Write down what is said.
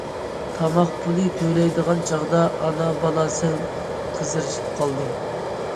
تاماق پۇلى تۆلەيدىغان چاغدا، ئانا- بالا سەل قىزىرىشىپ قالدى.